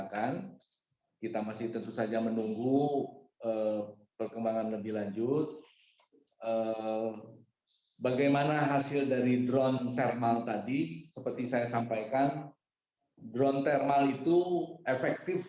dan kami berkomunikasi dengan old practices